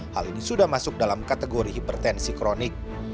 hal ini sudah masuk dalam kategori hipertensi kronik